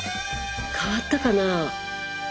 変わったかな？